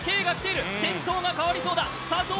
先頭が変わりそうだ。